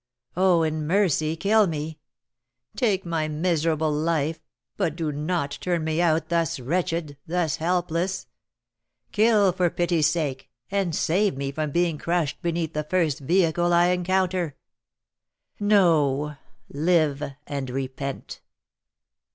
Oh, in mercy kill me! take my miserable life! but do not turn me out thus wretched, thus helpless! Kill, for pity's sake, and save me from being crushed beneath the first vehicle I encounter!" "No! Live and repent."